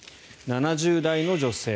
７０代の女性。